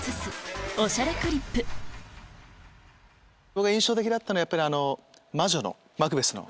僕が印象的だったのはやっぱり魔女の『マクベス』の。